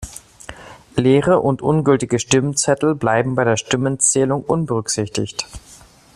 Leere und ungültige Stimmzettel bleiben bei der Stimmenzählung unberücksichtigt.